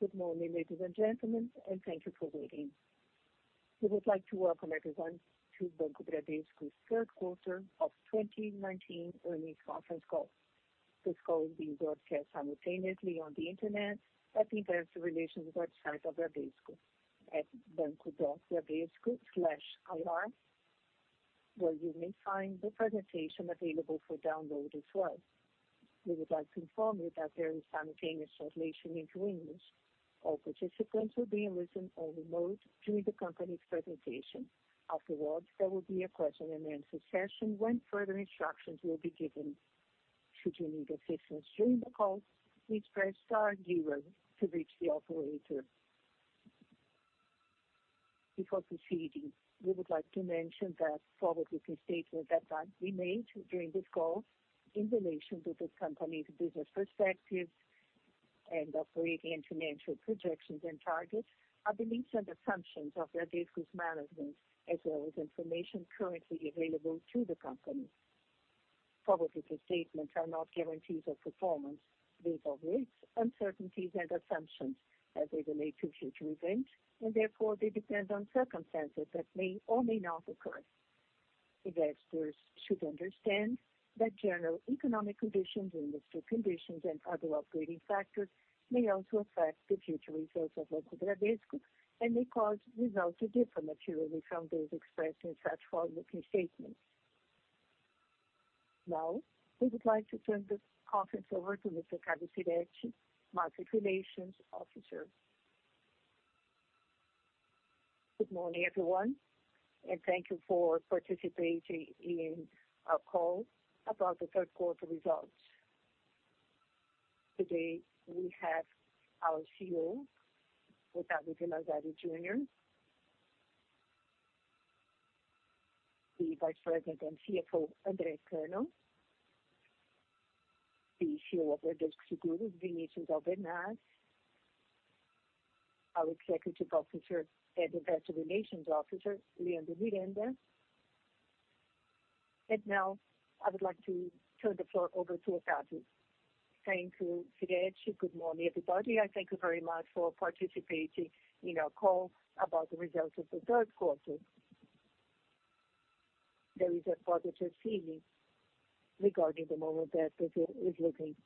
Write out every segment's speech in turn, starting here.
Good morning, ladies and gentlemen, and thank you for waiting. We would like to welcome everyone to Banco Bradesco's third quarter of 2019 earnings conference call. This call is being broadcast simultaneously on the internet at the investor relations website of Bradesco at banco.bradesco/ir, where you may find the presentation available for download as well. We would like to inform you that there is simultaneous translation into English. All participants will be in listen-only mode during the company's presentation. Afterwards, there will be a question-and-answer session when further instructions will be given. Should you need assistance during the call, please press star zero to reach the operator. Before proceeding, we would like to mention that forward-looking statements that might be made during this call in relation to the company's business perspectives and operating and financial projections and targets are beliefs and assumptions of Bradesco's management, as well as information currently available to the company. Forward-looking statements are not guarantees of performance. They involve risks, uncertainties, and assumptions as they relate to future events, and therefore, they depend on circumstances that may or may not occur. Investors should understand that general economic conditions, industry conditions, and other operating factors may also affect the future results of Banco Bradesco and may cause results to differ materially from those expressed in such forward-looking statements. Now, we would like to turn this conference over to Mr. Carlos Firetti, Market Relations Officer. Good morning, everyone, and thank you for participating in our call about the third quarter results. Today, we have our CEO, Octavio de Lazari Junior, the Vice President and CFO, André Cano, the CEO of Bradesco Seguros, Vinicius Albernaz, our Executive Officer and Investor Relations Officer, Leandro Miranda. Now I would like to turn the floor over to Octavio. Thank you, Firetti. Good morning, everybody, thank you very much for participating in our call about the results of the third quarter. There is a positive feeling regarding the moment that Brazil is living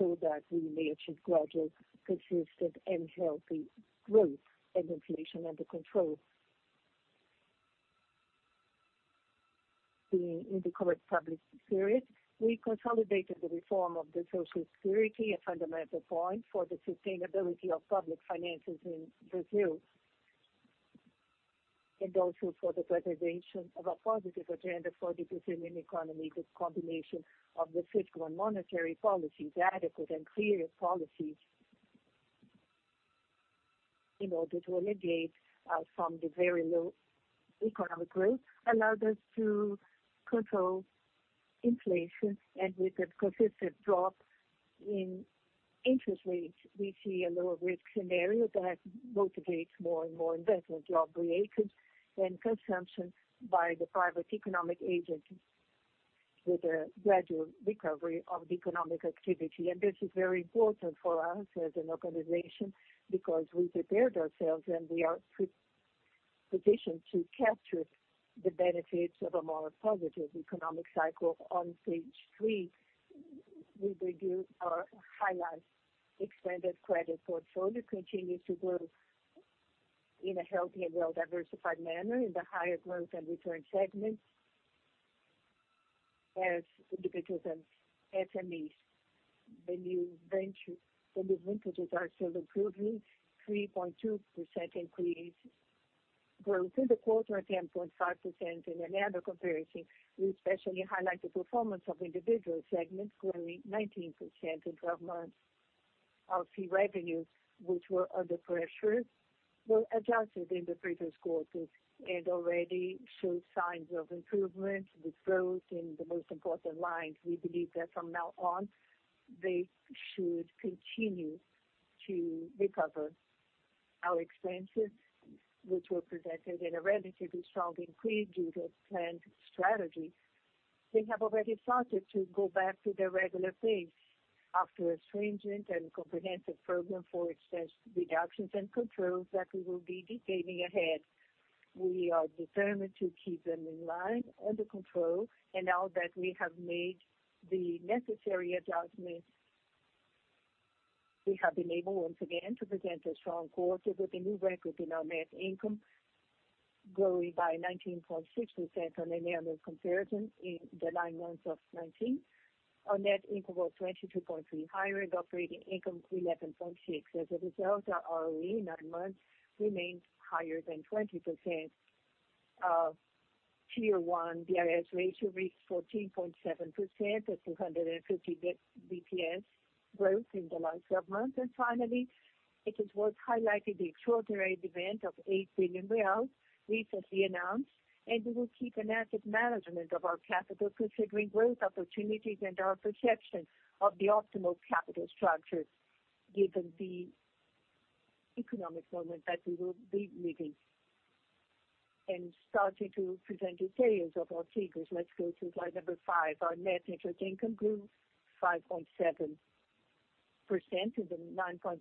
that we may achieve gradual, consistent, and healthy growth and inflation under control. In the current public period, we consolidated the reform of the Social Security, a fundamental point for the sustainability of public finances in Brazil. Also for the preservation of a positive agenda for the Brazilian economy, this combination of the fiscal and monetary policies, adequate and clear policies in order to alleviate us from the very low economic growth allowed us to control inflation and with a consistent drop in interest rates. We see a lower risk scenario that motivates more and more investment, job creation, and consumption by the private economic agents with a gradual recovery of economic activity. This is very important for us as an organization because we prepared ourselves and we are positioned to capture the benefits of a more positive economic cycle. On page three, we review our highlight extended credit portfolio continues to grow in a healthy and well-diversified manner in the higher growth and return segments as individuals and SMEs. The new vintages are still improving, 3.2% increase growth in the quarter and 10.5% in an annual comparison. We especially highlight the performance of individual segments growing 19% in 12 months. Our fee revenues, which were under pressure, were adjusted in the previous quarters and already show signs of improvement with growth in the most important lines. We believe that from now on, they should continue to recover. Our expenses, which were presented in a relatively strong increase due to planned strategy, they have already started to go back to their regular pace after a stringent and comprehensive program for expense reductions and controls that we will be detailing ahead. We are determined to keep them in line, under control. Now that we have made the necessary adjustments, we have been able once again to present a strong quarter with a new record in our net income, growing by 19.6% on an annual comparison in the nine months of 2019. Our net income was 22.3% higher, and operating income 11.6%. A result, our ROE in nine months remains higher than 20%. CET1 ratio reached 14.7% at 250 basis points growth in the last 12 months. Finally, it is worth highlighting the extraordinary event of 8 billion reais recently announced. We will keep an active management of our capital considering growth opportunities and our perception of the optimal capital structure given the economic moment that we will be living. Starting to present details of our figures. Let's go to slide number five. Our net interest income grew 5.7%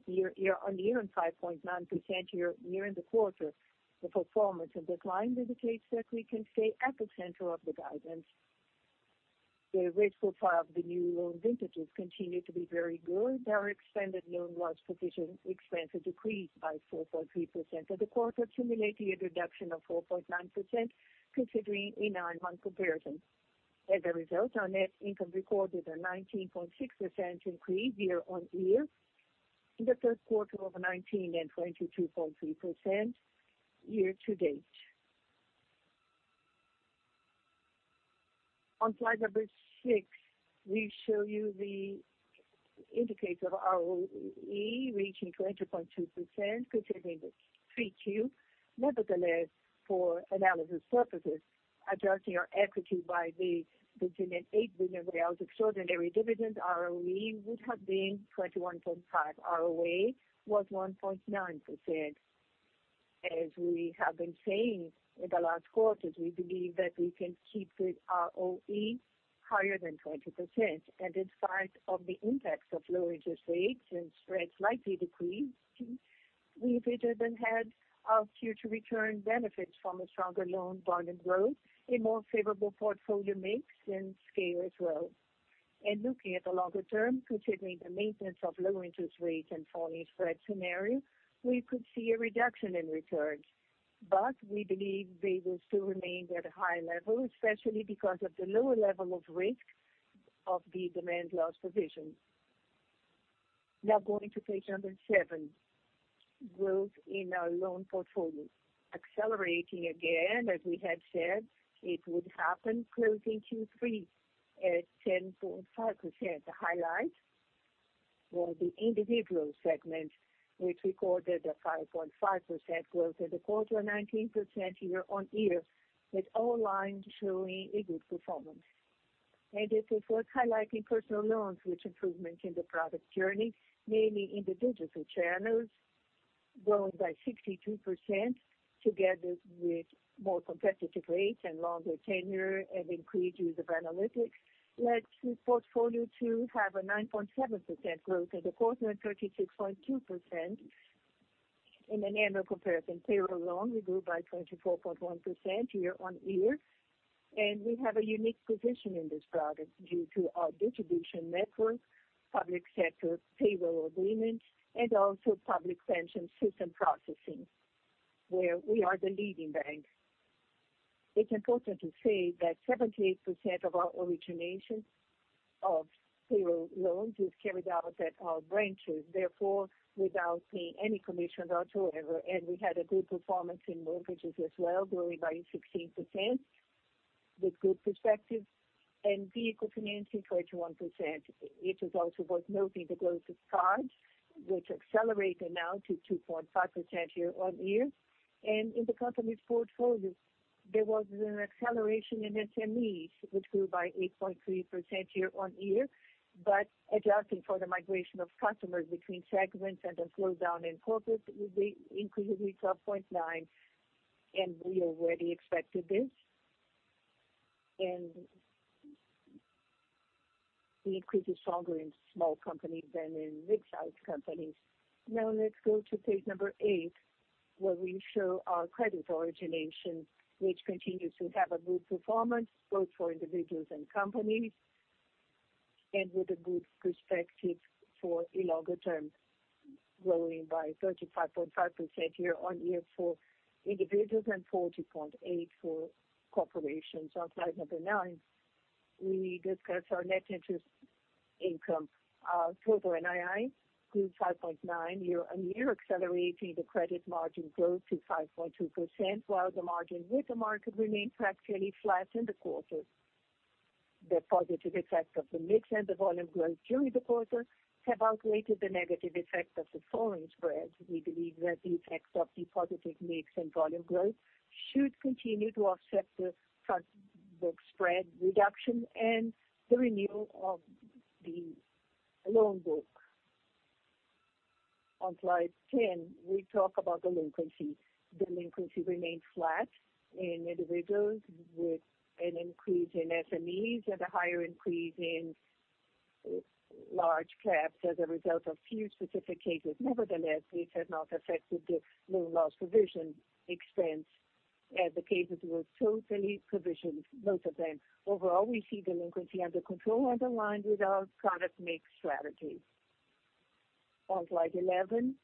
year-on-year and 5.9% year in the quarter. The performance and decline indicates that we can stay at the center of the guidance. The rate profile of the new loan vintages continue to be very good. Our extended loan loss position expense decreased by 4.3% for the quarter, accumulating a reduction of 4.9% considering a nine-month comparison. Our net income recorded a 19.6% increase year-on-year in the first quarter of 2019 and 22.3% year to date. On slide number six, we show you the indicator of ROE reaching 20.2%, considering the 3Q. For analysis purposes, adjusting our equity by the 8 billion reais extraordinary dividend, ROE would have been 21.5%. ROA was 1.9%. We have been saying in the last quarters, we believe that we can keep the ROE higher than 20%. In spite of the impacts of low interest rates and spreads likely decrease, we have hedged ahead our future return benefits from a stronger loan volume growth, a more favorable portfolio mix, and scale as well. Looking at the longer term, considering the maintenance of low interest rates and falling spread scenario, we could see a reduction in returns. We believe they will still remain at a high level, especially because of the lower level of risk of the loan loss provision. Now, going to page number seven, growth in our loan portfolio. Accelerating again, as we had said it would happen, closing Q3 at 10.5%. The highlight was the individual segment, which recorded a 5.5% growth in the quarter, 19% year-on-year, with all lines showing a good performance. It is worth highlighting personal loans with improvement in the product journey, mainly in the digital channels, growing by 62%, together with more competitive rates and longer tenure and increased use of analytics, led this portfolio to have a 9.7% growth in the quarter and 36.2% in an annual comparison. Payroll loan we grew by 24.1% year-over-year. We have a unique position in this product due to our distribution network, public sector payroll agreements, and also public pension system processing, where we are the leading bank. It is important to say that 78% of our origination of payroll loans is carried out at our branches, therefore, without paying any commissions whatsoever. We had a good performance in mortgages as well, growing by 16%, with good perspective and vehicle financing 21%. It is also worth noting the growth of cards, which accelerated now to 2.5% year-on-year. In the company's portfolio, there was an acceleration in SMEs, which grew by 8.3% year-on-year. Adjusting for the migration of customers between segments and a slowdown in corporate, the increase is 12.9%, and we already expected this. The increase is stronger in small companies than in mid-size companies. Let's go to page eight, where we show our credit origination, which continues to have a good performance, both for individuals and companies, and with a good perspective for a longer term, growing by 35.5% year-on-year for individuals and 40.8% for corporations. On slide nine, we discuss our net interest income. Our total NII grew 5.9% year-on-year, accelerating the credit margin growth to 5.2%, while the margin with the market remained practically flat in the quarter. The positive effect of the mix and the volume growth during the quarter have outweighed the negative effect of the foreign spreads. We believe that the effects of the positive mix and volume growth should continue to offset the trust book spread reduction and the renewal of the loan book. On slide 10, we talk about delinquency. Delinquency remained flat in individuals with an increase in SMEs and a higher increase in large caps as a result of few specific cases. Nevertheless, this has not affected the loan loss provision expense as the cases were totally provisioned, most of them. Overall, we see delinquency under control, underlined with our product mix strategy. On slide 11,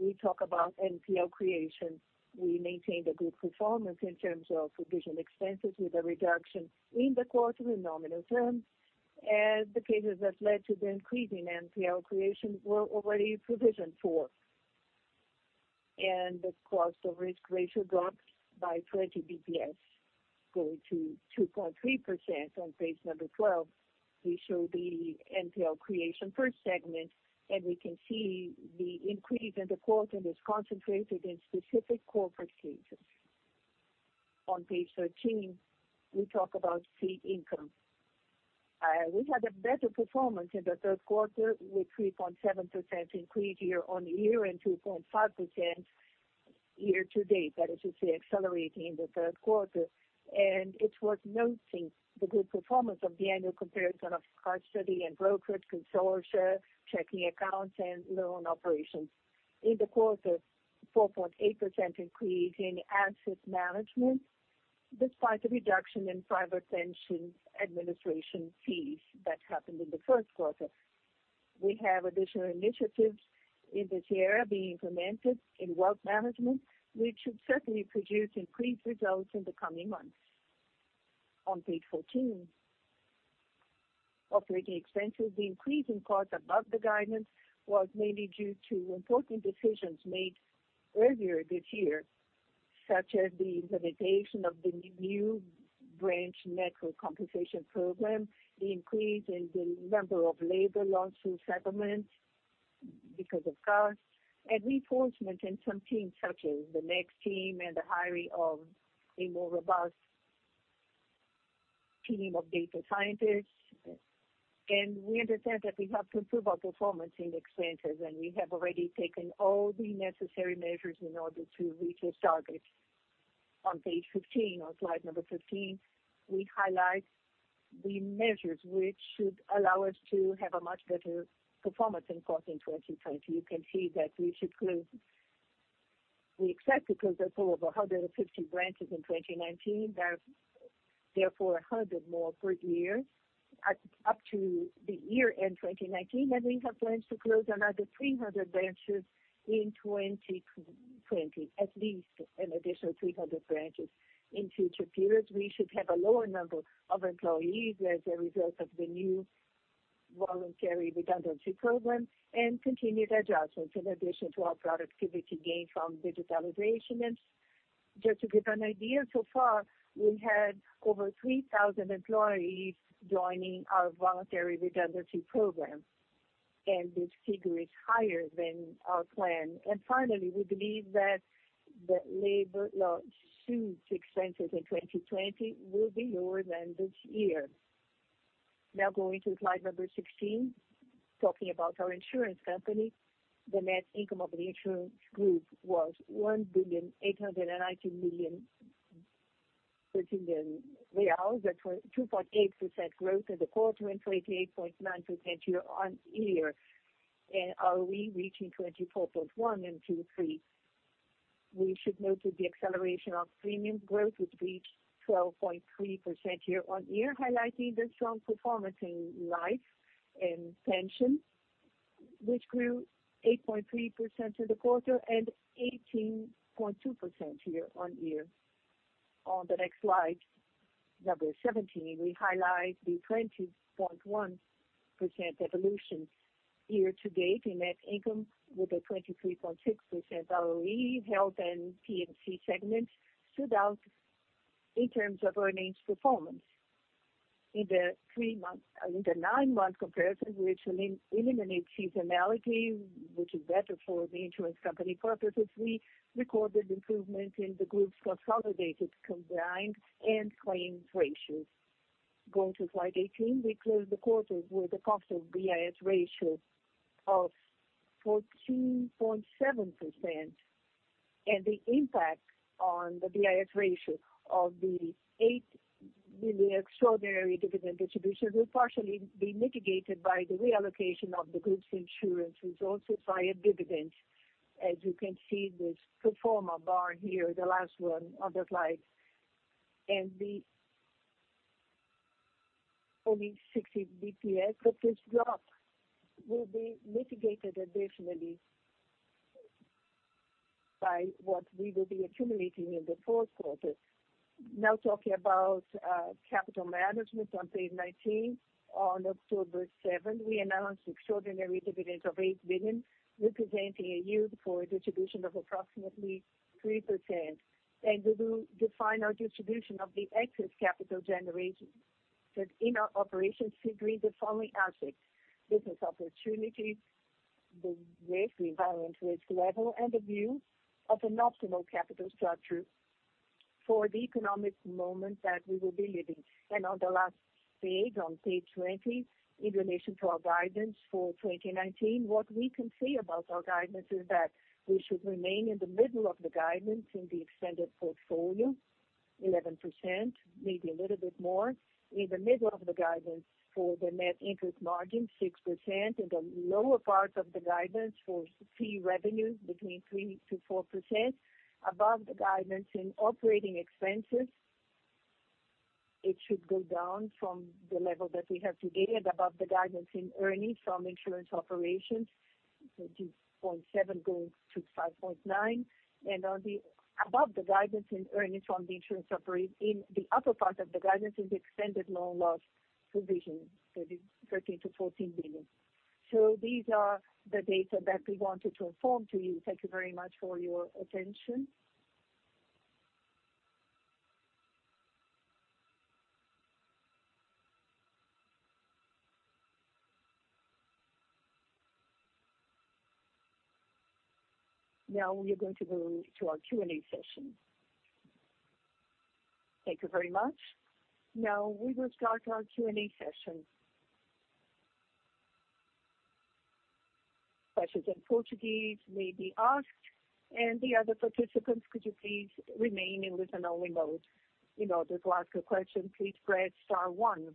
we talk about NPL creation. We maintained a good performance in terms of provision expenses, with a reduction in the quarter in nominal terms as the cases that led to the increase in NPL creation were already provisioned for. The cost of risk ratio dropped by 20 bps, going to 2.3%. On page number 12, we show the NPL creation per segment, we can see the increase in the quarter is concentrated in specific corporate cases. On page 13, we talk about fee income. We had a better performance in the third quarter with 3.7% increase year-on-year and 2.5% year-to-date. That is to say, accelerating in the third quarter. It's worth noting the good performance of the annual comparison of card custody and brokerage consortia, checking accounts, and loan operations. In the quarter, 4.8% increase in asset management, despite the reduction in private pension administration fees that happened in the first quarter. We have additional initiatives in this area being implemented in wealth management, which should certainly produce increased results in the coming months. On page 14, operating expenses. The increase in costs above the guidance was mainly due to important decisions made earlier this year, such as the implementation of the new branch network compensation program, the increase in the number of labor lawsuit settlements because of CAR, and reinforcement in some teams such as the Next team and the hiring of a more robust team of data scientists. We understand that we have to improve our performance in expenses, and we have already taken all the necessary measures in order to reach this target. On page 15, on slide number 15, we highlight the measures which should allow us to have a much better performance in cost in 2020. You can see that we expect to close over 150 branches in 2019. There are therefore 100 more per year up to the year-end 2019, and we have plans to close another 300 branches in 2020, at least an additional 300 branches. In future periods, we should have a lower number of employees as a result of the new voluntary redundancy program and continued adjustments in addition to our productivity gains from digitalization. Just to give an idea, so far, we had over 3,000 employees joining our voluntary redundancy program, and this figure is higher than our plan. Finally, we believe that the labor lawsuits expenses in 2020 will be lower than this year. Now going to slide number 16, talking about our insurance company. The net income of the insurance group was 1,890,000,000 reais, a 2.8% growth in the quarter and 28.9% year-on-year. ROE reaching 24.1% in Q3. We should note that the acceleration of premium growth, which reached 12.3% year-on-year, highlighting the strong performance in life and pension, which grew 8.3% for the quarter and 18.2% year-on-year. On the next slide, number 17, we highlight the 20.1% evolution year-to-date in net income with a 23.6% ROE. Health and P&C segments stood out in terms of earnings performance. In the nine-month comparison, we actually eliminate seasonality, which is better for the insurance company purposes. We recorded improvement in the group's consolidated, combined, and claims ratios. Going to slide 18, we closed the quarter with a cost of BIS ratio of 14.7%, and the impact on the BIS ratio of the 8 billion extraordinary dividend distribution will partially be mitigated by the reallocation of the group's insurance results via dividends. As you can see, this pro forma bar here, the last one on the slide, the only 60 basis points. This drop will be mitigated additionally by what we will be accumulating in the fourth quarter. Now talking about capital management on page 19. On October 7, we announced extraordinary dividend of 8 billion, representing a yield for distribution of approximately 3%. We will define our distribution of the excess capital generation that in our operations should read the following aspects: business opportunities, the risk rebalancing risk level, and the view of an optimal capital structure for the economic moment that we will be living. On the last page, on page 20, in relation to our guidance for 2019, what we can say about our guidance is that we should remain in the middle of the guidance in the extended portfolio, 11%, maybe a little bit more. In the middle of the guidance for the net interest margin, 6%, in the lower part of the guidance for fee revenues between 3% to 4%. Above the guidance in operating expenses, it should go down from the level that we have today and above the guidance in earnings from insurance operations, 20.7% going to 5.9%. Above the guidance in earnings from the insurance in the upper part of the guidance is extended loan loss provision, 13 billion-14 billion. These are the data that we wanted to inform to you. Thank you very much for your attention. Now we are going to move to our Q&A session. Thank you very much. Now we will start our Q&A session. Questions in Portuguese may be asked and the other participants, could you please remain in listen-only mode. In order to ask a question, please press star one.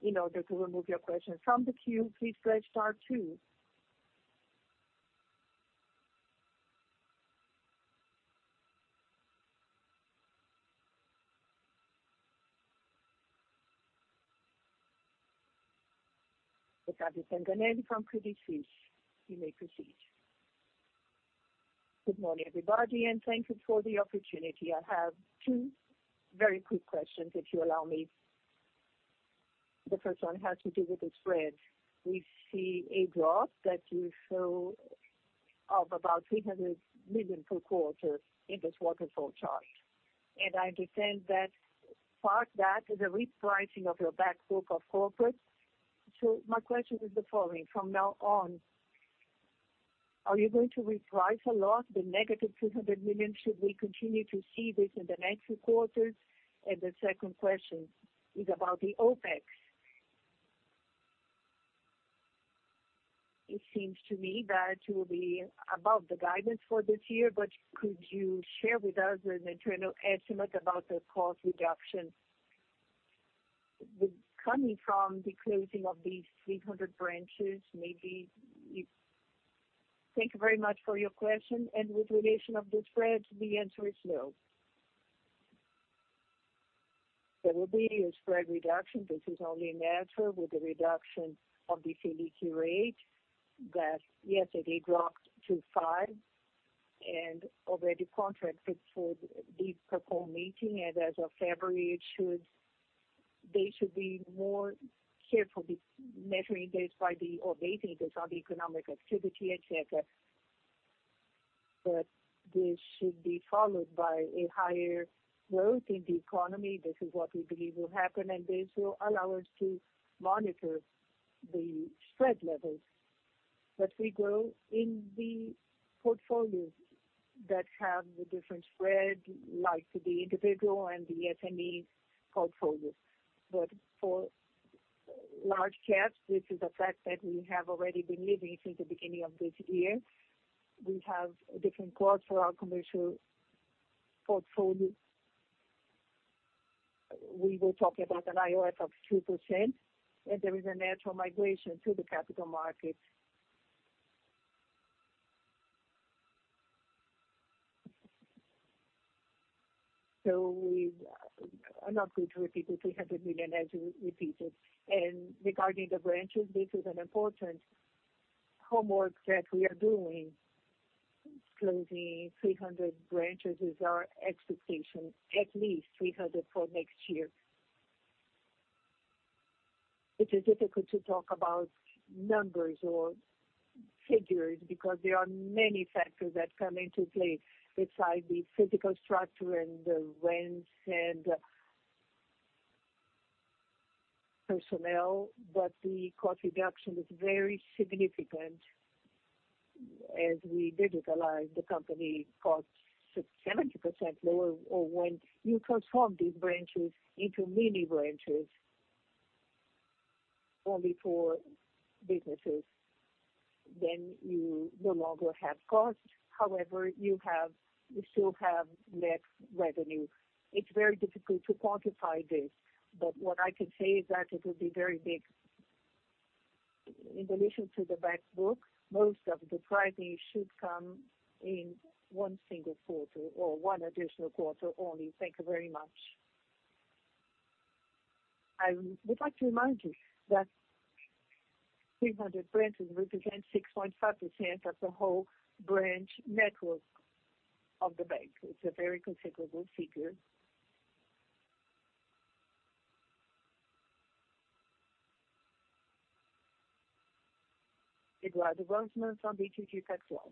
In order to remove your question from the queue, please press star two. Ricardo Centenaro from Credit Suisse, you may proceed. Good morning, everybody, thank you for the opportunity. I have two very quick questions, if you allow me. The first one has to do with the spread. We see a drop that you show of about 300 million per quarter in this waterfall chart. I understand that part that is a repricing of your back book of corporate. My question is the following: from now on, are you going to reprice a lot the negative 300 million? Should we continue to see this in the next quarters? The second question is about the OPEX. It seems to me that you will be above the guidance for this year, but could you share with us an internal estimate about the cost reduction coming from the closing of these 300 branches? Thank you very much for your question. With relation of the spreads, the answer is no. There will be a spread reduction. This is only natural with the reduction of the Selic rate that yesterday dropped to five and already contracted for this upcoming meeting. As of February, they should be more careful measuring this or basing this on the economic activity, et cetera. This should be followed by a higher growth in the economy. This is what we believe will happen, and this will allow us to monitor the spread levels. We grow in the portfolios that have the different spread, like the individual and the SME portfolios. For large caps, this is a fact that we have already been living since the beginning of this year. We have different costs for our commercial portfolio. We were talking about an IOF of 2% and there is a natural migration to the capital markets. We are not going to repeat the 300 million as you repeated. Regarding the branches, this is an important homework that we are doing. Closing 300 branches is our expectation, at least 300 for next year. It is difficult to talk about numbers or figures because there are many factors that come into play beside the physical structure and the rents and personnel, but the cost reduction is very significant. As we digitalize the company costs, it's 70% lower when you transform these branches into mini branches only for businesses, you no longer have costs. You still have less revenue. It's very difficult to quantify this, what I can say is that it will be very big. In relation to the back book, most of the pricing should come in one single quarter or one additional quarter only. Thank you very much. I would like to remind you that 300 branches represent 6.5% of the whole branch network of the bank. It's a very considerable figure. Eduardo Rosman from BTG Pactual.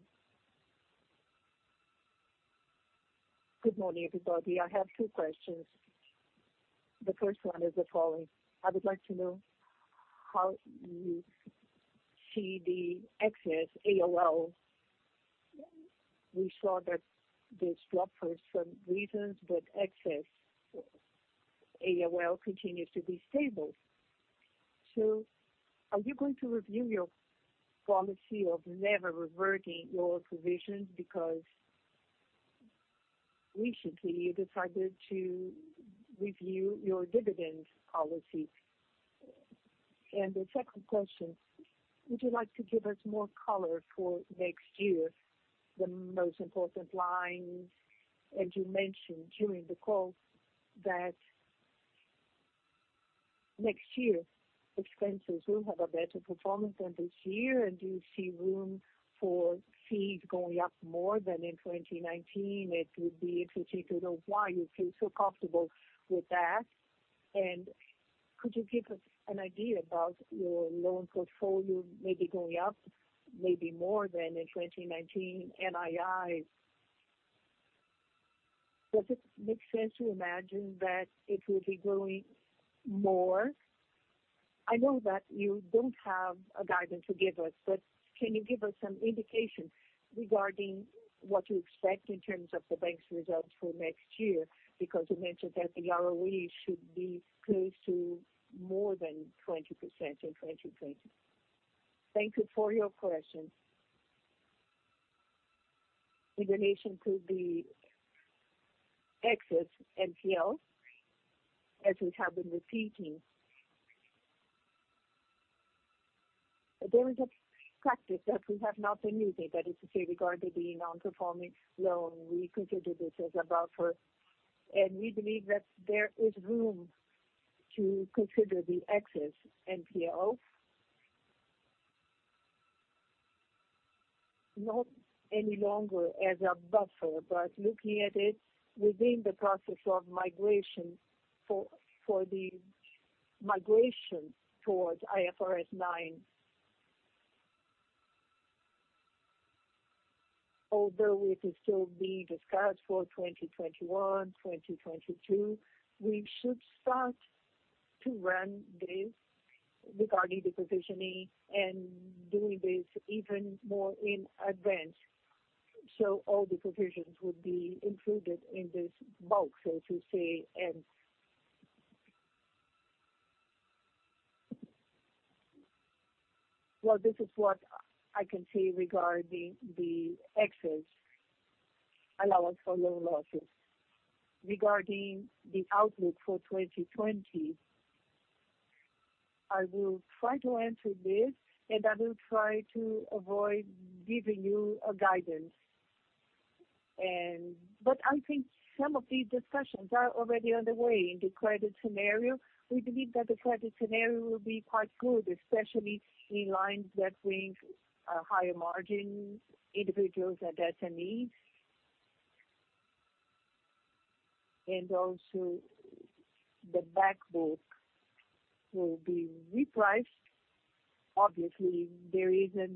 Good morning, everybody. I have two questions. The first one is the following: I would like to know how you see the excess ALL. We saw that this dropped for some reasons, excess ALL continues to be stable. Are you going to review your policy of never reverting your provisions because recently you decided to review your dividend policy? The second question, would you like to give us more color for next year, the most important lines, as you mentioned during the call that next year expenses will have a better performance than this year and do you see room for fees going up more than in 2019? It would be interesting to know why you feel so comfortable with that. Could you give us an idea about your loan portfolio maybe going up maybe more than in 2019 NIIs, does it make sense to imagine that it will be growing more? I know that you don't have a guidance to give us, but can you give us some indication regarding what you expect in terms of the bank's results for next year? You mentioned that the ROE should be close to more than 20% in 2020. Thank you for your question. In relation to the excess NPLs, as we have been repeating, there is a practice that we have not been using, that is to say, regarding the non-performing loan. We consider this as a buffer. We believe that there is room to consider the excess NPL not any longer as a buffer, but looking at it within the process of migration for the migration towards IFRS 9. Although it will still be discussed for 2021, 2022, we should start to run this regarding the provisioning and doing this even more in advance. All the provisions would be included in this bulk, so to say. Well, this is what I can say regarding the excess allowance for loan losses. Regarding the outlook for 2020, I will try to answer this. I will try to avoid giving you a guidance. I think some of these discussions are already underway in the credit scenario. We believe that the credit scenario will be quite good, especially in lines that bring higher margins, individuals and SMEs. Also the back book will be repriced. Obviously, there is a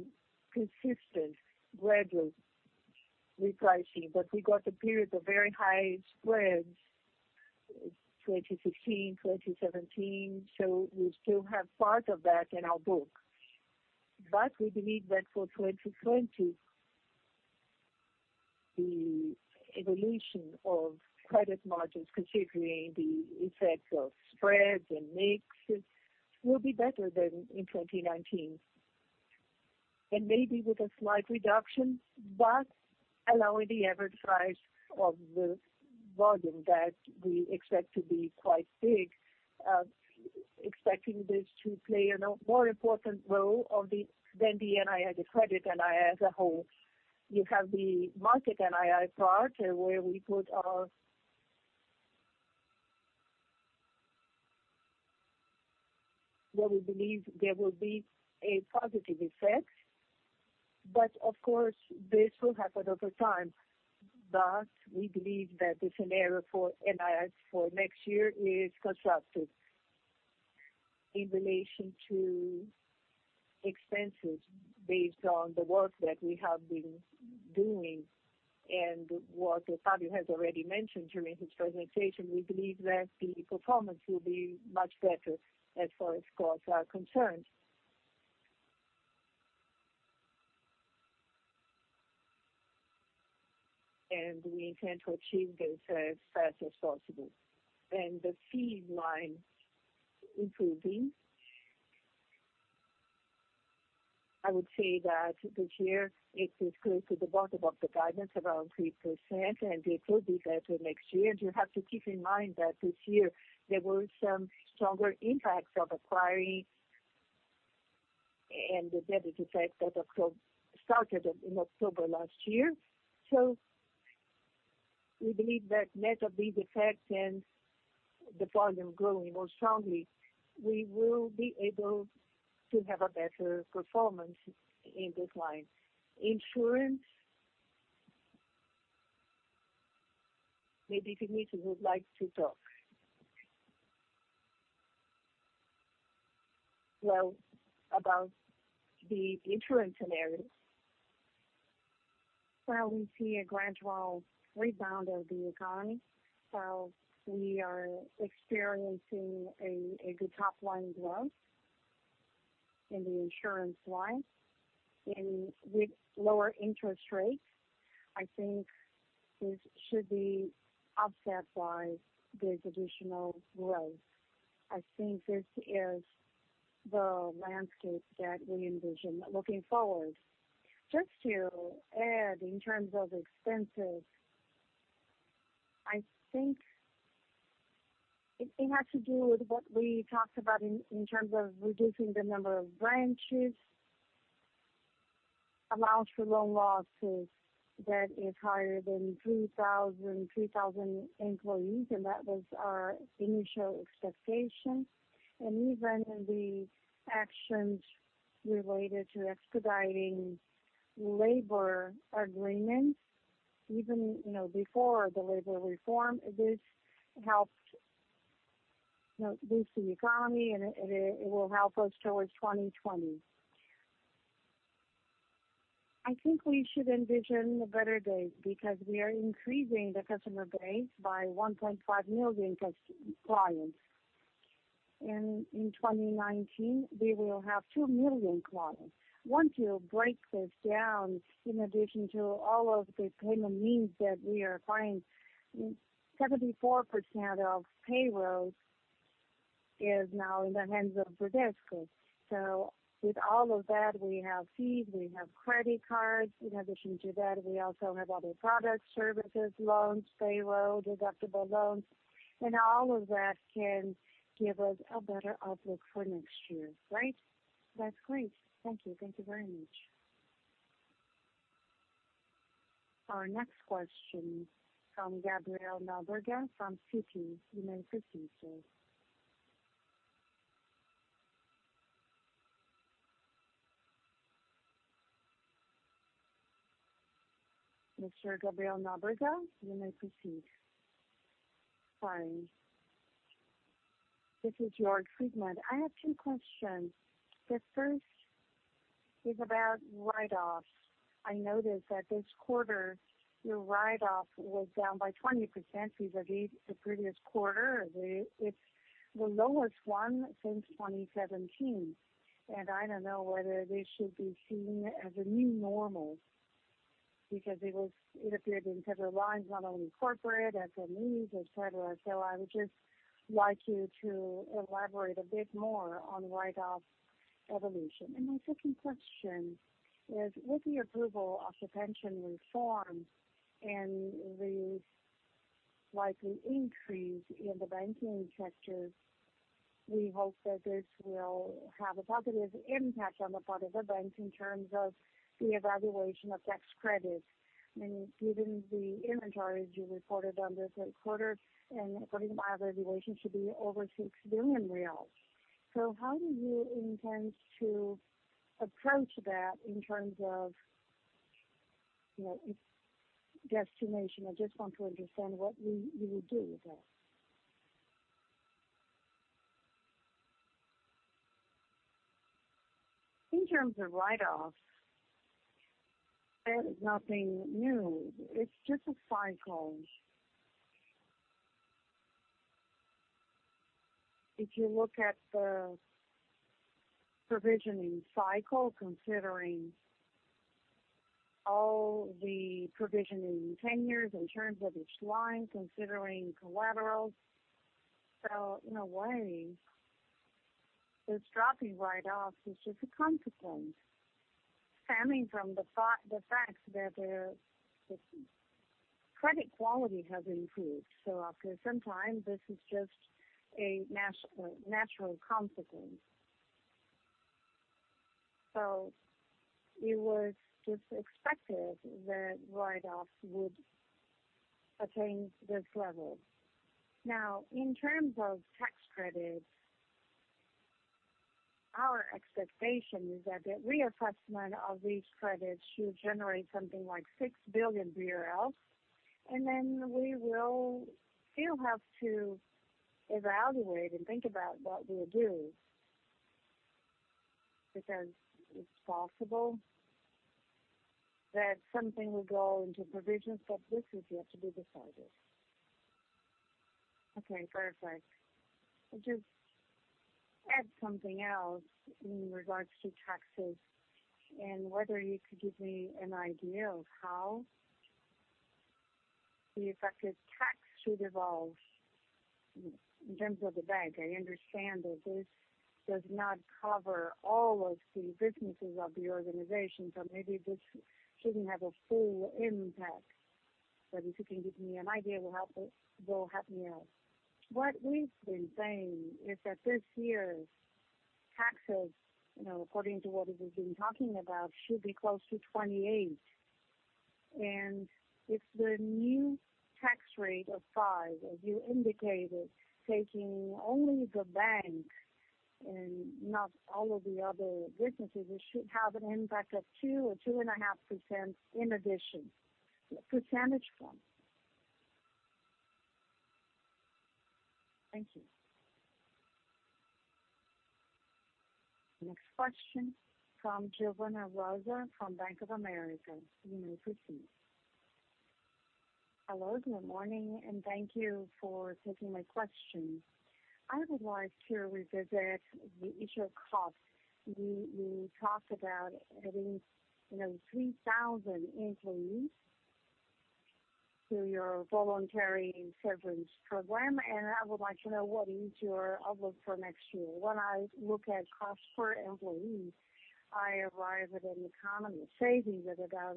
consistent gradual repricing. We got a period of very high spreads, 2016, 2017. We still have part of that in our book. We believe that for 2020, the evolution of credit margins, considering the effect of spreads and mixes, will be better than in 2019. Maybe with a slight reduction, but allowing the average size of the volume that we expect to be quite big, expecting this to play a more important role than the NII, the credit NII as a whole. You have the market NII part where we believe there will be a positive effect. Of course, this will happen over time. We believe that the scenario for NIIs for next year is constructive. In relation to expenses based on the work that we have been doing and what Fabio has already mentioned during his presentation, we believe that the performance will be much better as far as costs are concerned. We intend to achieve this as fast as possible. The fee line improving, I would say that this year it is close to the bottom of the guidance, around 3%, and it will be better next year. You have to keep in mind that this year there were some stronger impacts of acquiring and the debit effect that started in October last year. We believe that net of these effects and the volume growing more strongly, we will be able to have a better performance in this line. Insurance. Maybe Vinicius would like to talk. Well, about the insurance scenario. Well, we see a gradual rebound of the economy. We are experiencing a good top-line growth in the insurance line. With lower interest rates, I think this should be offset by this additional growth. I think this is the landscape that we envision looking forward. Just to add in terms of expenses, I think it has to do with what we talked about in terms of reducing the number of branches, Allowance for Loan Losses that is higher than 3,000 employees, and that was our initial expectation. Even the actions related to expediting labor agreements, even before the labor reform, this helped boost the economy and it will help us towards 2020. I think we should envision better days because we are increasing the customer base by 1.5 million clients. In 2019, we will have 2 million clients. Once you break this down, in addition to all of the payment means that we are applying, 74% of payroll is now in the hands of Bradesco. With all of that, we have fees, we have credit cards. In addition to that, we also have other products, services, loans, payroll, deductible loans, and all of that can give us a better outlook for next year, right? That's great. Thank you. Thank you very much. Our next question from Gabriel Nobrega from Citi. You may proceed. Mr. Gabriel Nobrega, you may proceed. Fine. This is Jorge Friedman. I have two questions. The first is about write-offs. I noticed that this quarter, your write-off was down by 20% vis-à-vis the previous quarter. It's the lowest one since 2017. I don't know whether this should be seen as a new normal because it appeared in several lines, not only corporate, SMEs, et cetera. I would just like you to elaborate a bit more on write-off evolution. My second question is, with the approval of the pension reform and the likely increase in the banking sector, we hope that this will have a positive impact on the part of the bank in terms of the evaluation of tax credits. I mean, given the inventories you reported on this quarter, and according to my evaluation, should be over 6 billion reais. How do you intend to approach that in terms of its destination? I just want to understand what you will do with that. In terms of write-offs, there is nothing new. It's just a cycle. If you look at the provisioning cycle, considering all the provisioning tenures in terms of each line, considering collaterals. In a way, this dropping write-offs is just a consequence stemming from the fact that the credit quality has improved. After some time, this is just a natural consequence. It was just expected that write-offs would attain this level. Now, in terms of tax credits, our expectation is that the reassessment of these credits should generate something like 6 billion BRL, then we will still have to evaluate and think about what we will do, because it's possible that something will go into provisions, this is yet to be decided. Okay, perfect. I'll just add something else in regards to taxes and whether you could give me an idea of how the effective tax should evolve in terms of the bank. I understand that this does not cover all of the businesses of the organization, so maybe this shouldn't have a full impact. If you can give me an idea, it will help me out. What we've been saying is that this year's taxes, according to what we've been talking about, should be close to 28%. If the new tax rate of five, as you indicated, taking only the bank and not all of the other businesses, it should have an impact of 2% or 2.5% in addition. Percentage point. Thank you. Next question from Giovanna Rosa from Bank of America. You may proceed. Hello, good morning, and thank you for taking my questions. I would like to revisit the issue of cost. You talked about adding 3,000 employees to your voluntary severance program, and I would like to know what is your outlook for next year. When I look at cost per employee, I arrive at an economy savings of about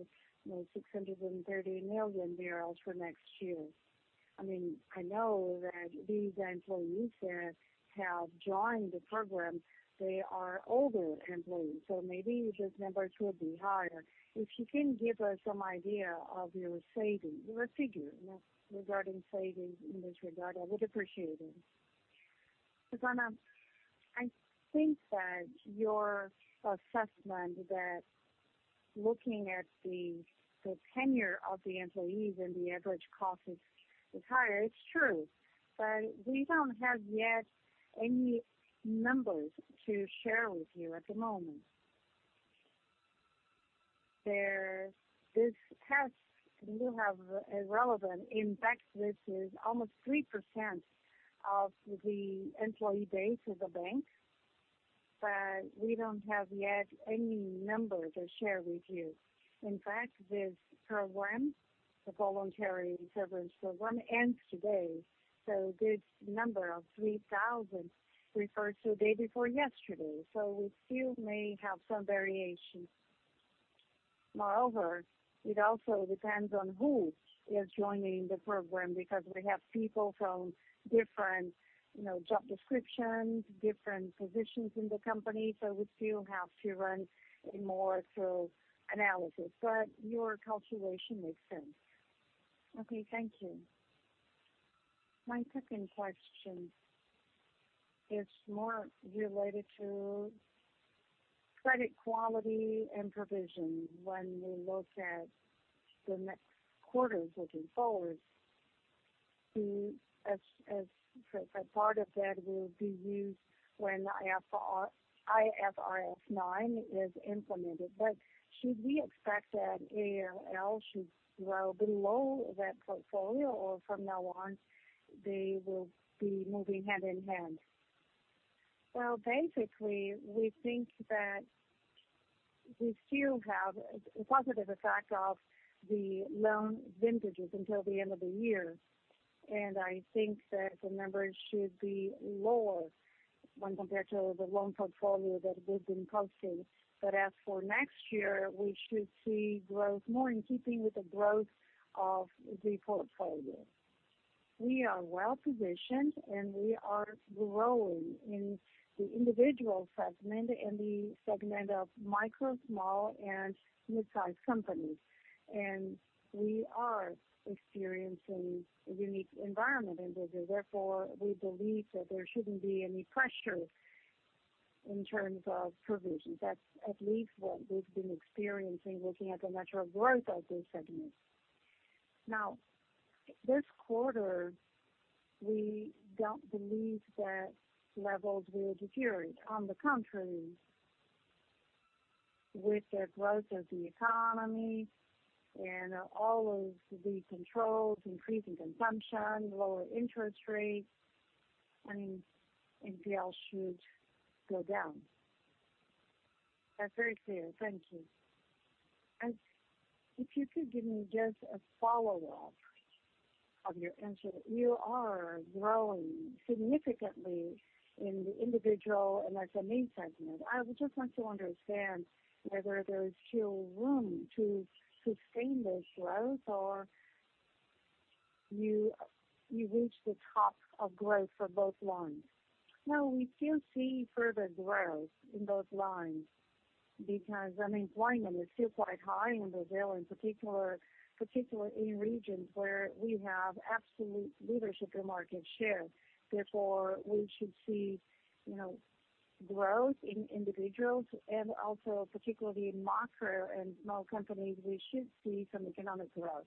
630 million for next year. I mean, I know that these employees that have joined the program, they are older employees, maybe these numbers would be higher. If you can give us some idea of your savings, your figure regarding savings in this regard, I would appreciate it. Giovanna, I think that your assessment that looking at the tenure of the employees and the average cost is higher, it's true. We don't have yet any numbers to share with you at the moment. In fact, this is almost 3% of the employee base of the bank, we don't have yet any numbers to share with you. In fact, this program, the voluntary severance program, ends today, so this number of 3,000 refers to the day before yesterday. We still may have some variations. Moreover, it also depends on who is joining the program, because we have people from different job descriptions, different positions in the company. We still have to run a more thorough analysis. Your calculation makes sense. Okay, thank you. My second question is more related to credit quality and provision when we look at the next quarters looking forward. As part of that will be used when IFRS 9 is implemented. Should we expect that ALL should grow below that portfolio, or from now on, they will be moving hand in hand? Basically, we think that we still have a positive effect of the loan vintages until the end of the year. I think that the numbers should be lower when compared to the loan portfolio that we've been posting. As for next year, we should see growth more in keeping with the growth of the portfolio. We are well-positioned, and we are growing in the individual segment and the segment of micro, small, and midsize companies. We are experiencing a unique environment in Brazil. Therefore, we believe that there shouldn't be any pressure in terms of provisions. That's at least what we've been experiencing, looking at the natural growth of this segment. Now, this quarter, we don't believe that levels will deteriorate. On the contrary, with the growth of the economy and all of the controls, increasing consumption, lower interest rates, NPL should go down. That's very clear. Thank you. If you could give me just a follow-up of your answer. You are growing significantly in the individual and SME segment. I would just want to understand whether there is still room to sustain this growth, or you reached the top of growth for both lines. We still see further growth in both lines because unemployment is still quite high in Brazil, in particular in regions where we have absolute leadership in market share. We should see growth in individuals and also particularly in micro and small companies, we should see some economic growth.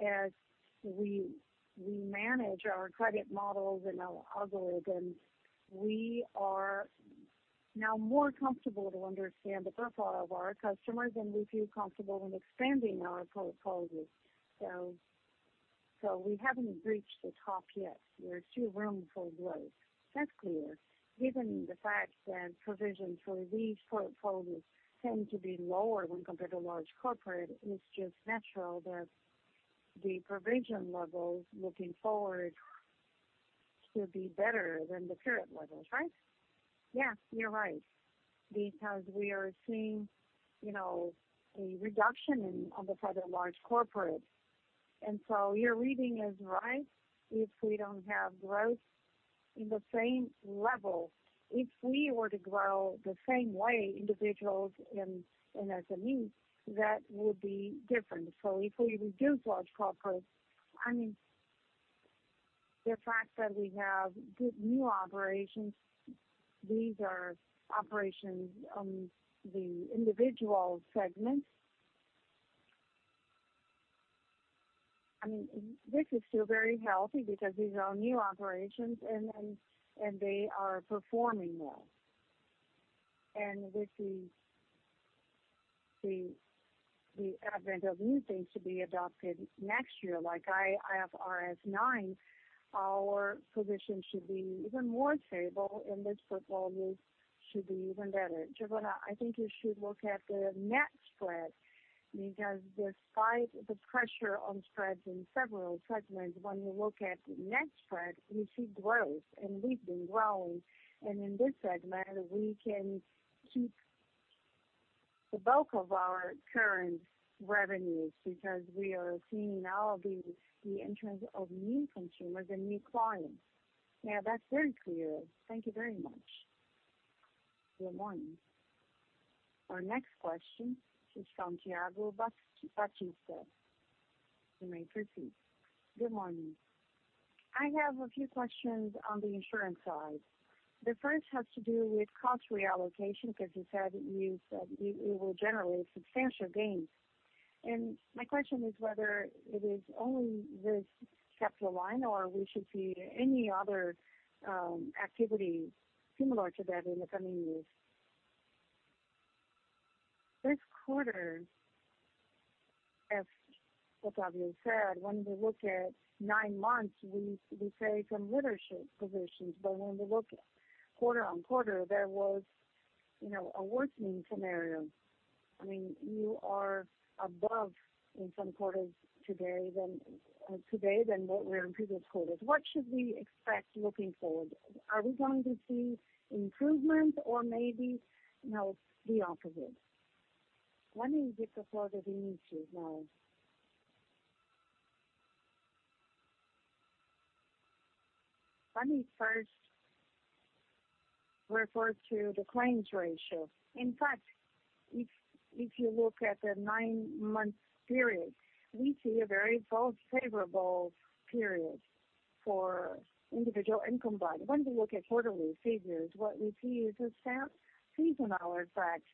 As we manage our credit models and our algorithms, we are now more comfortable to understand the profile of our customers, and we feel comfortable in expanding our portfolio. We haven't reached the top yet. There is still room for growth. That's clear. Given the fact that provisions for these portfolios tend to be lower when compared to large corporate, it's just natural that the provision levels looking forward should be better than the current levels, right? Yeah, you're right. We are seeing a reduction in the size of large corporate. Your reading is right if we don't have growth in the same level. If we were to grow the same way, individuals and SMEs, that would be different. If we reduce large corporate, the fact that we have good new operations, these are operations on the individual segment. This is still very healthy because these are new operations, and they are performing well. With the advent of new things to be adopted next year, like IFRS 9, our position should be even more favorable, and this portfolio should be even better. Giovanna, I think you should look at the net spread, because despite the pressure on spreads in several segments, when you look at net spread, you see growth, and we've been growing. In this segment, we can keep the bulk of our current revenues because we are seeing an outing in terms of new consumers and new clients. Yeah, that's very clear. Thank you very much. Good morning. Our next question is from Thiago Batista. You may proceed. Good morning. I have a few questions on the insurance side. The first has to do with cost reallocation because you said it will generate substantial gains. My question is whether it is only this capital line or we should see any other activities similar to that in the coming years. This quarter, as Octavio said, when we look at nine months, we say some leadership positions, when we look quarter-on-quarter, there was a worsening scenario. You are above in some quarters today than what were in previous quarters. What should we expect looking forward? Are we going to see improvement or maybe, no, the opposite? When is it the floor giving you now? Let me first refer to the claims ratio. In fact, if you look at the nine-month period, we see a very favorable period for individual income. When we look at quarterly figures, what we see is a seasonal effect.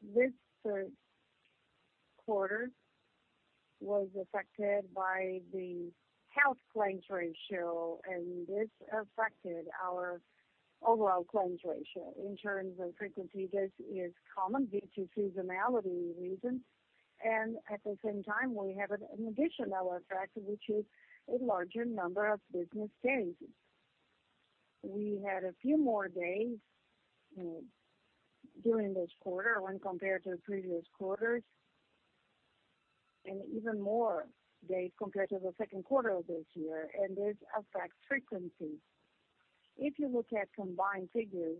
This third quarter was affected by the health claims ratio, and this affected our overall claims ratio. In terms of frequency, this is common due to seasonality reasons. At the same time, we have an additional effect, which is a larger number of business days. We had a few more days during this quarter when compared to previous quarters, and even more days compared to the second quarter of this year, and this affects frequency. If you look at combined figures,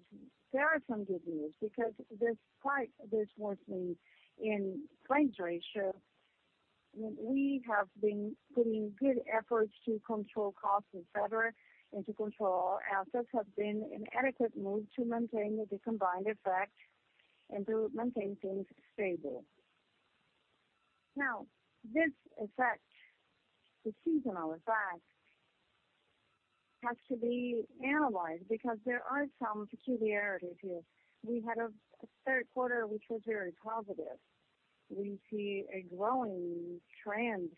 there are some good news because despite this worsening in claims ratio, we have been putting good efforts to control costs etc., and to control our assets have been an adequate move to maintain the combined effect and to maintain things stable. This effect, the seasonal effect, has to be analyzed because there are some peculiarities here. We had a third quarter which was very positive. We see a growing trend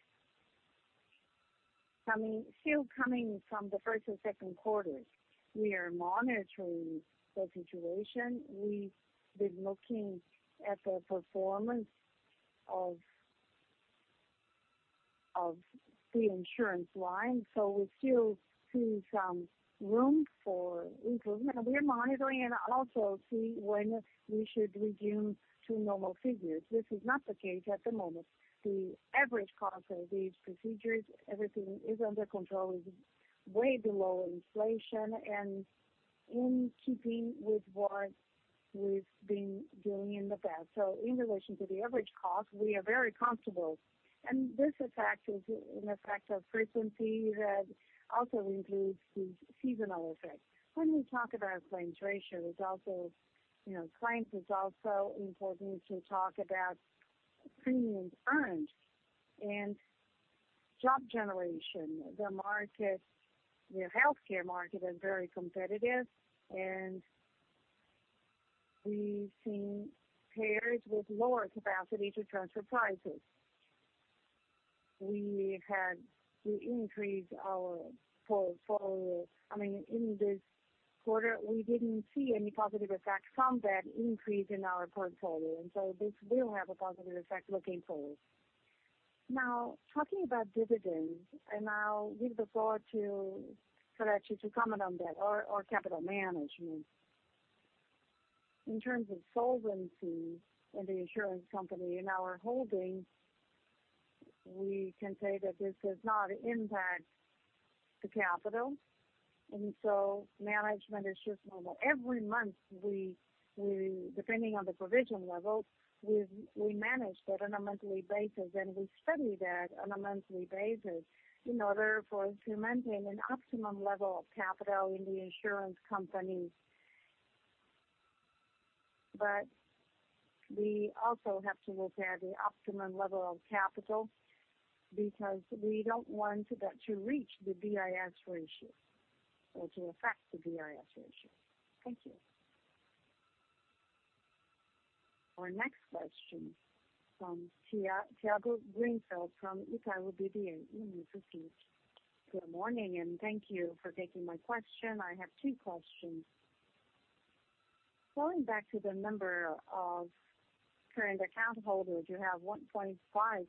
still coming from the first and second quarters. We are monitoring the situation. We've been looking at the performance of the insurance line. We still see some room for improvement. We are monitoring and also see when we should resume to normal figures. This is not the case at the moment. The average cost of these procedures, everything is under control, is way below inflation and in keeping with what we've been doing in the past. In relation to the average cost, we are very comfortable. This effect is an effect of frequency that also includes the seasonal effect. When we talk about claims ratio, claims is also important to talk about premiums earned and job generation. The healthcare market is very competitive, and we've seen payers with lower capacity to transfer prices. We had to increase our portfolio. In this quarter, we didn't see any positive effect from that increase in our portfolio. This will have a positive effect looking forward. Talking about dividends, and I'll give the floor to Cano to comment on that or capital management. In terms of solvency in the insurance company, in our holdings, we can say that this does not impact the capital. Management is just normal. Every month, depending on the provision level, we manage that on a monthly basis, and we study that on a monthly basis in order for us to maintain an optimum level of capital in the insurance companies. We also have to look at the optimum level of capital because we don't want that to reach the BIS ratio or to affect the BIS ratio. Thank you. Our next question from Thiago Guedes from Itaú BBA in São Paulo. Good morning, and thank you for taking my question. I have two questions. Going back to the number of current account holders, you have 1.5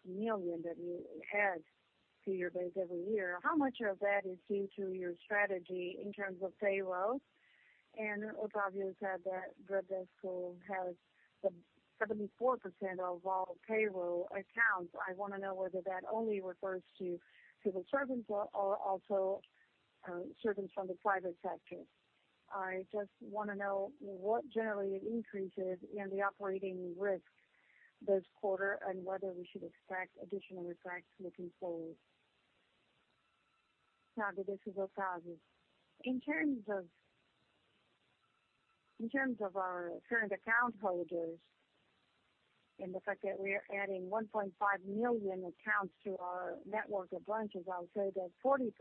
million that you add to your base every year. How much of that is due to your strategy in terms of payrolls? Octavio said that Bradesco has 74% of all payroll accounts. I want to know whether that only refers to civil servants or also servants from the private sector. I just want to know what generated increases in the operating risks this quarter and whether we should expect additional effects looking forward. Now to digital causes. In terms of our current account holders and the fact that we are adding 1.5 million accounts to our network of branches, I would say that 40%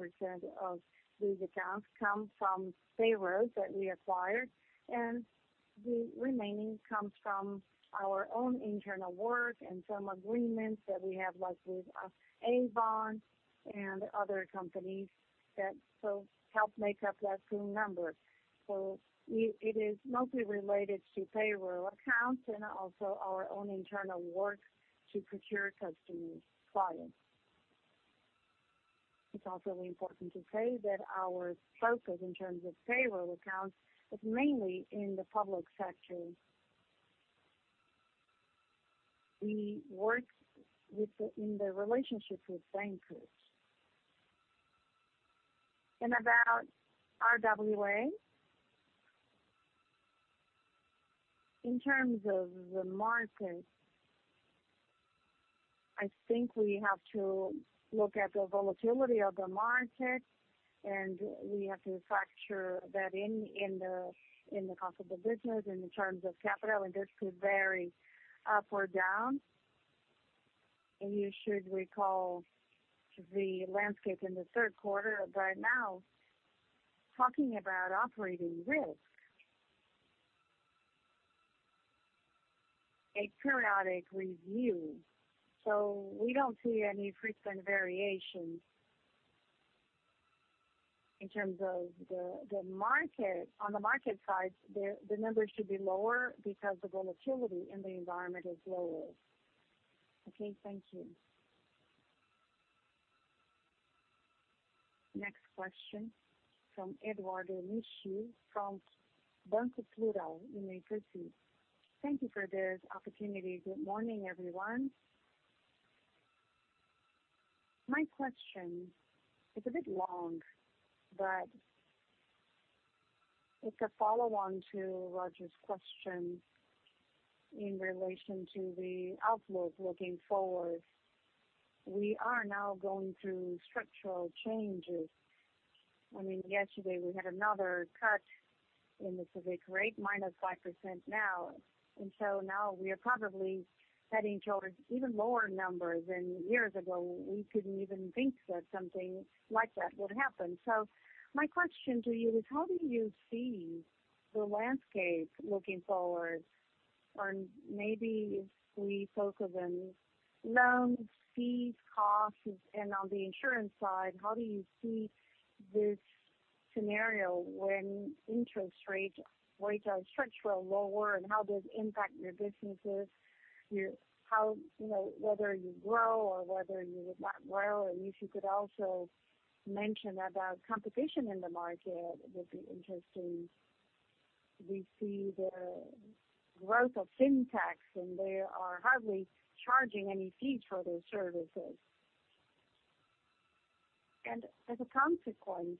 of these accounts come from payrolls that we acquired. The remaining comes from our own internal work and some agreements that we have, like with Avon and other companies that help make up that team number. It is mostly related to payroll accounts and also our own internal work to procure customers, clients. It is also important to say that our focus in terms of payroll accounts is mainly in the public sector. We work in the relationships with bankers. About RWA, in terms of the market, I think we have to look at the volatility of the market and we have to factor that in the cost of the business and in terms of capital, and this could vary up or down. You should recall the landscape in the third quarter, but now talking about operating risk, a periodic review, so we don't see any frequent variations. In terms of the market, on the market side, the numbers should be lower because the volatility in the environment is lower. Okay. Thank you. Next question from Eduardo Nishio from Banco Plural. Thank you for this opportunity. Good morning, everyone. My question is a bit long, but it's a follow-on to Roger's question in relation to the outlook looking forward. We are now going through structural changes. I mean, yesterday we had another cut in the Selic rate, -5% now. Now we are probably heading towards even lower numbers and years ago, we couldn't even think that something like that would happen. My question to you is, how do you see the landscape looking forward? Maybe if we focus on loans, fees, costs, and on the insurance side, how do you see this scenario when interest rates will go structural lower, and how does it impact your businesses? Whether you grow or whether you not grow, if you could also mention about competition in the market would be interesting. We see the growth of FinTechs and they are hardly charging any fees for their services. As a consequence,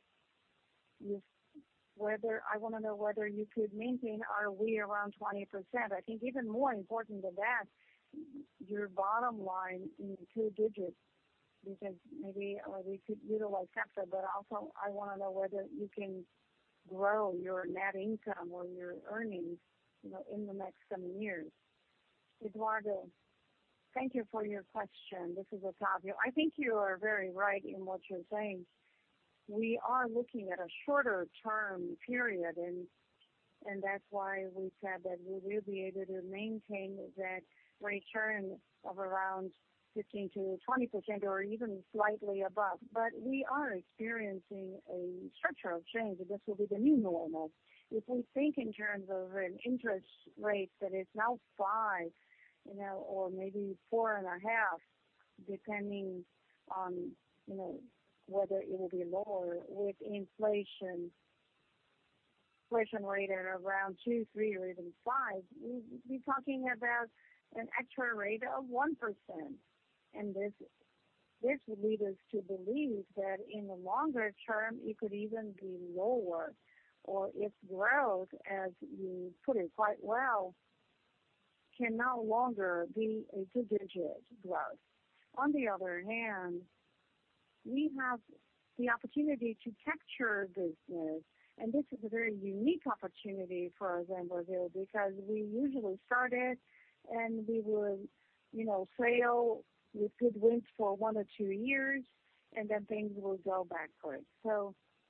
I want to know whether you could maintain ROE around 20%. I think even more important than that, your bottom line in two digits, because maybe we could utilize capital, but also I want to know whether you can grow your net income or your earnings in the next seven years. Eduardo, thank you for your question. This is Octavio. I think you are very right in what you're saying. We are looking at a shorter term period and that's why we said that we will be able to maintain that return of around 15%-20% or even slightly above. We are experiencing a structural change and this will be the new normal. If we think in terms of an interest rate that is now five, or maybe four and a half, depending on whether it will be lower with inflation rate at around two, three or even five, we'll be talking about an actual rate of 1%. This would lead us to believe that in the longer term, it could even be lower or if growth, as you put it quite well, can no longer be a two-digit growth. On the other hand, we have the opportunity to capture business and this is a very unique opportunity for us in Brazil because we usually started and we would sail with good winds for one or two years and then things will go backwards.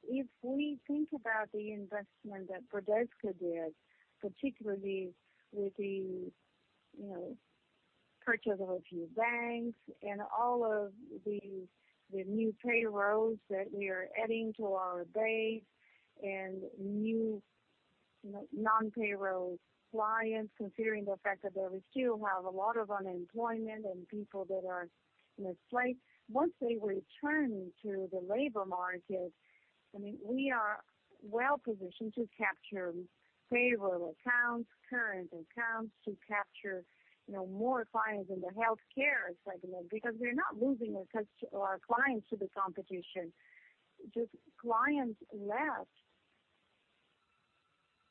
If we think about the investment that Bradesco did, particularly with the purchase of a few banks and all of the new payrolls that we are adding to our base and new non-payroll clients, considering the fact that we still have a lot of unemployment and people that are Once they return to the labor market, we are well-positioned to capture payroll accounts, current accounts, to capture more clients in the healthcare segment because we're not losing our clients to the competition. Just clients left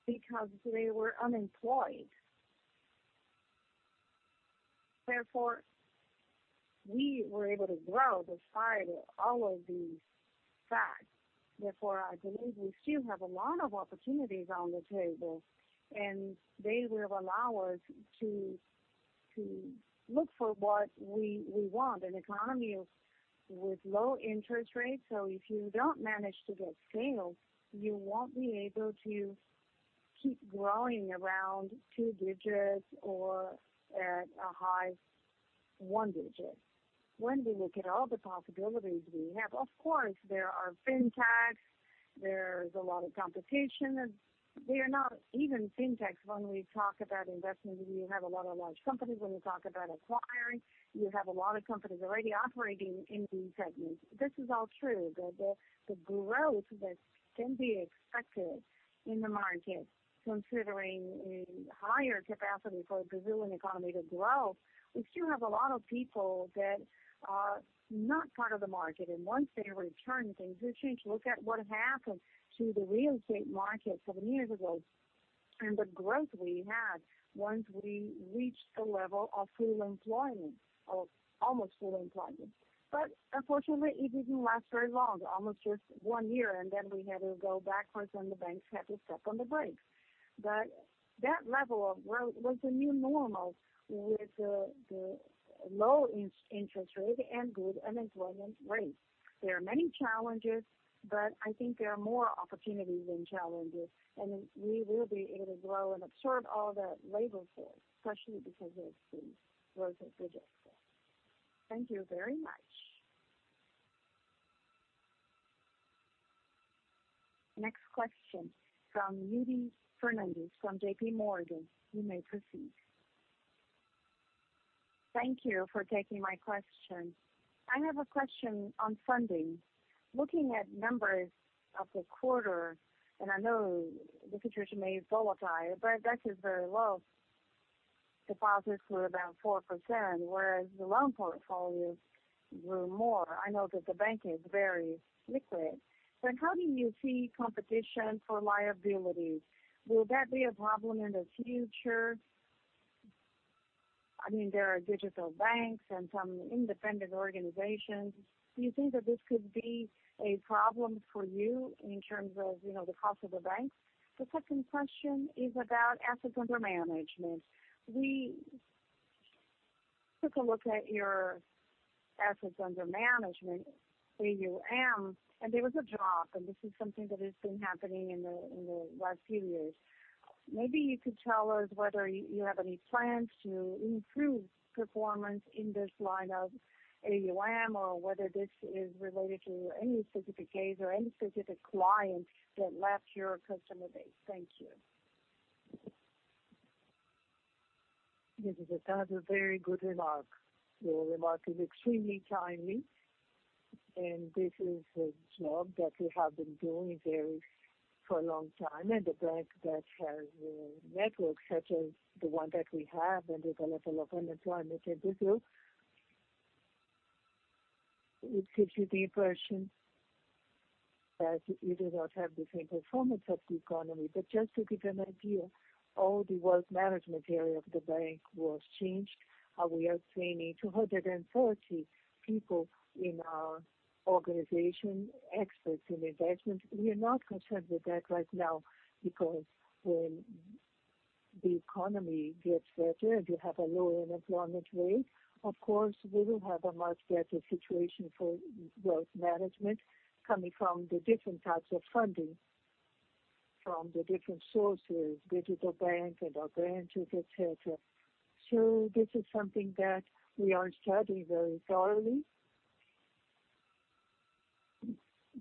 because they were unemployed. We were able to grow despite all of these facts. I believe we still have a lot of opportunities on the table and they will allow us to look for what we want, an economy with low interest rates. If you don't manage to get scale, you won't be able to keep growing around two digits or at a high one digit. When we look at all the possibilities we have, of course, there are FinTechs, there's a lot of competition. They are not even FinTechs when we talk about investments, you have a lot of large companies. When we talk about acquiring, you have a lot of companies already operating in these segments. This is all true. The growth that can be expected in the market, considering a higher capacity for Brazilian economy to grow, we still have a lot of people that are not part of the market, and once they return, things will change. Look at what happened to the real estate market seven years ago and the growth we had once we reached a level of full employment or almost full employment. Unfortunately, it didn't last very long, almost just one year, and then we had to go backwards, and the banks had to step on the brakes. That level of growth was the new normal with the low interest rate and good unemployment rate. There are many challenges, but I think there are more opportunities than challenges, and we will be able to grow and absorb all the labor force, especially because of the growth of Digio. Thank you very much. Next question from Yuri Fernandes from J.P. Morgan. You may proceed. Thank you for taking my question. I have a question on funding. Looking at numbers of the quarter, and I know the situation may volatile, but that is very low. Deposits were about 4%, whereas the loan portfolio grew more. I know that the bank is very liquid. How do you see competition for liabilities? Will that be a problem in the future? There are digital banks and some independent organizations. Do you think that this could be a problem for you in terms of the cost of the banks? The second question is about assets under management. We took a look at your assets under management, AUM, and there was a drop, and this is something that has been happening in the last few years. Maybe you could tell us whether you have any plans to improve performance in this line of AUM or whether this is related to any specific case or any specific client that left your customer base. Thank you. This is a very good remark. Your remark is extremely timely. This is a job that we have been doing for a long time. A bank that has a network such as the one that we have and with a level of unemployment in Brazil, it gives you the impression that you do not have the same performance of the economy. Just to give you an idea, all the wealth management area of the bank was changed. We are training 240 people in our organization, experts in investment. We are not concerned with that right now because when the economy gets better and you have a lower unemployment rate, of course, we will have a much better situation for wealth management coming from the different types of funding from the different sources, digital banks and our branches, et cetera. This is something that we are studying very thoroughly.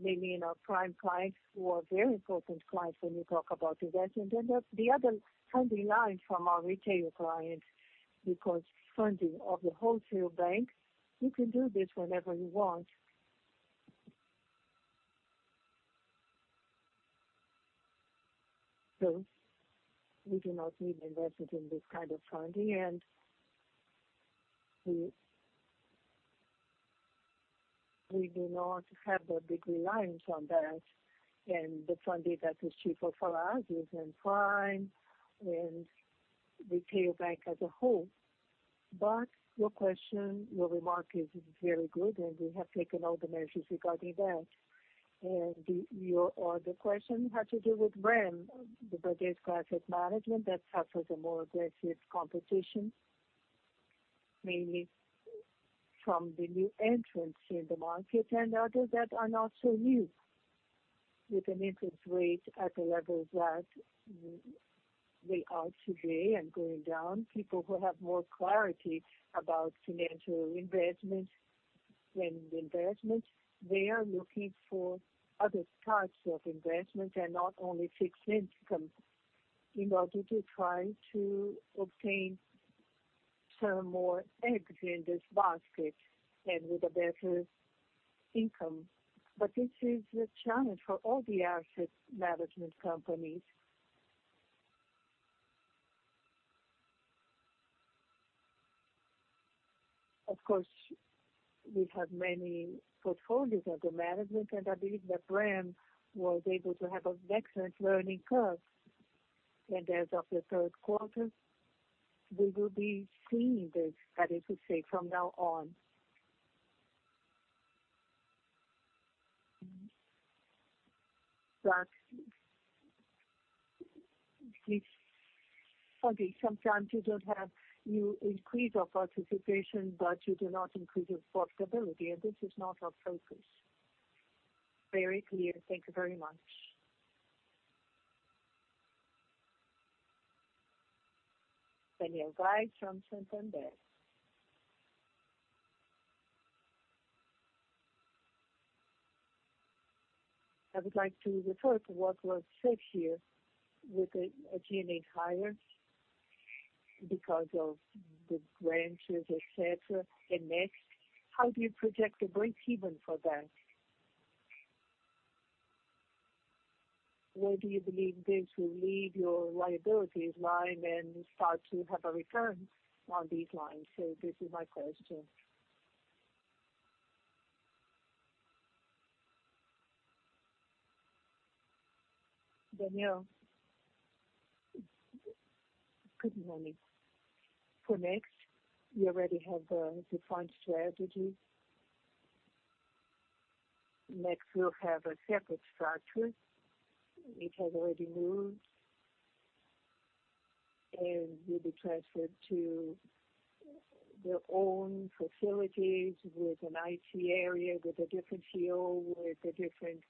Mainly in our prime clients who are very important clients when you talk about investment, and the other heavy line from our retail clients, because funding of the wholesale bank, you can do this whenever you want. We do not need investment in this kind of funding, and we do not have a big reliance on that and the funding that is cheaper for us is in prime and retail bank as a whole. Your remark is very good, and we have taken all the measures regarding that. The other question had to do with brand, the Bradesco Asset Management that suffers a more aggressive competition, mainly from the new entrants in the market and others that are not so new. With an interest rate at the level that they are today and going down, people who have more clarity about financial investment and investment, they are looking for other types of investment and not only fixed income in order to try to obtain some more eggs in this basket and with a better income. This is a challenge for all the asset management companies. Of course, we have many portfolios under management, and I believe that BRAM was able to have an excellent learning curve. As of the third quarter, we will be seeing this, that is to say, from now on. You increase your participation, but you do not increase your profitability, and this is not our focus. Very clear. Thank you very much. Daniel Vaz from Santander. I would like to refer to what was said here with the GTNA hires because of the branches, et cetera, in Next. How do you project a breakeven for that? Where do you believe this will leave your liabilities line and start to have a return on these lines? This is my question. Daniel. Good morning. For Next, we already have a defined strategy. Next, we'll have a separate structure which has already moved and will be transferred to their own facilities with an IT area, with a different CEO, with a different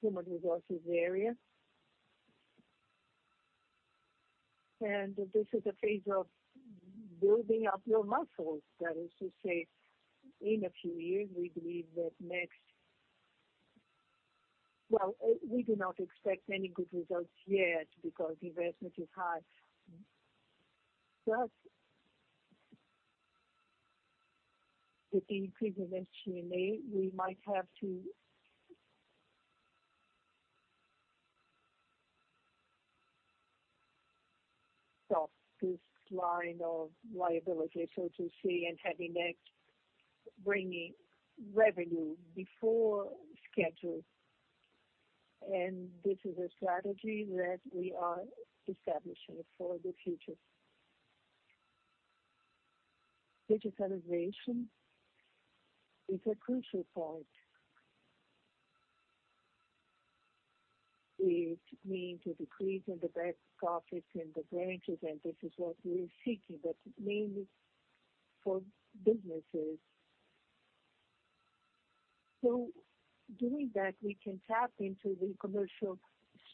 human resources area. This is a phase of building up your muscles. That is to say, in a few years, we believe that Next, well, we do not expect any good results yet because the investment is high. With the increase in SG&A, we might have to stop this line of liability, so to say, and have Next bringing revenue before schedule. This is a strategy that we are establishing for the future. Digitalization is a crucial point. It means a decrease in the back office, in the branches, and this is what we're seeking, but mainly for businesses. Doing that, we can tap into the commercial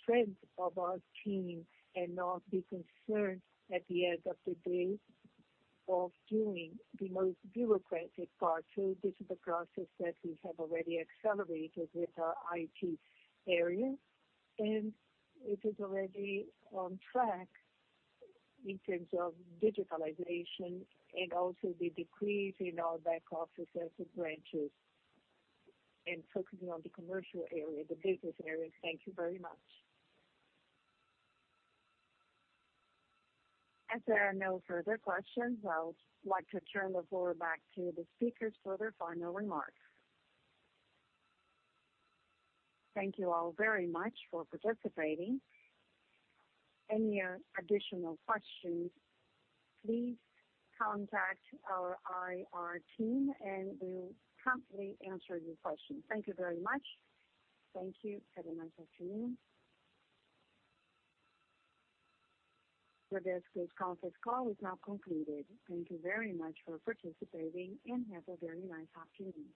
strength of our team and not be concerned at the end of the day of doing the most bureaucratic part. This is a process that we have already accelerated with our IT area, and it is already on track in terms of digitalization and also the decrease in our back offices and branches and focusing on the commercial area, the business area. Thank you very much. As there are no further questions, I would like to turn the floor back to the speakers for their final remarks. Thank you all very much for participating. Any additional questions, please contact our IR team, and we will happily answer your questions. Thank you very much. Thank you. Have a nice afternoon. Bradesco's conference call is now concluded. Thank you very much for participating, and have a very nice afternoon.